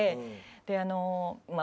であのまあ